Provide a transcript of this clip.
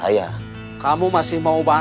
aku akan petik dengan anda